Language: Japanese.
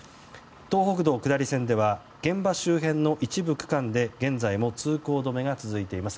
東北道下り線では現場周辺の一部区間で現在も通行止めが続いています。